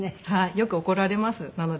よく怒られますなので私が逆に。